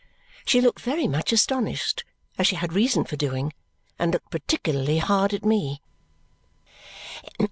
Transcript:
She looked very much astonished, as she had reason for doing, and looked particularly hard at me.